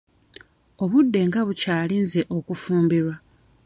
Obudde nga bukyali nze okufumbirwa.